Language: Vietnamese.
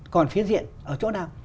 còn phía diện ở chỗ nào